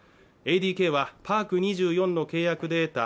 ＡＤＫはパーク２４の契約データ